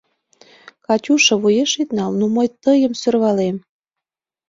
Катюша... вуеш ит нал, ну, мый тыйым сӧрвалем...